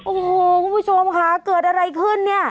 โอ้โหคุณผู้ชมค่ะเกิดอะไรขึ้นเนี่ย